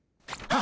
あ！